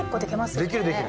できるできる。